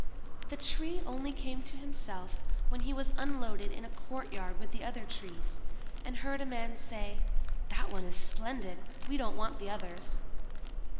The Tree only came to himself when he was unloaded in a courtyard with the other trees, and heard a man say, "That one is splendid! we don't want the others."